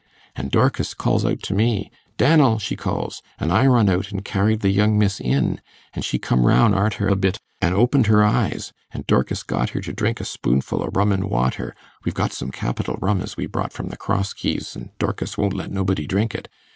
An' Dorkis calls out to me, "Dannel," she calls an' I run out and carried the young miss in, an' she come roun' arter a bit, an' opened her eyes, and Dorkis got her to drink a spoonful o' rum an' water we've got some capital rum as we brought from the Cross Keys, and Dorkis won't let nobody drink it.